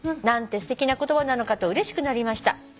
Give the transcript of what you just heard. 「何てすてきな言葉なのかとうれしくなりました」